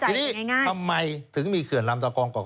ทีนี้ทำไมถึงมีเขื่อนลำตะกองกอก